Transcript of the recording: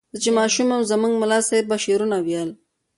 زه چې ماشوم وم زموږ ملا صیب به شعرونه ویل.